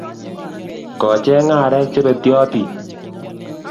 Kocheng' arek Che betyotin,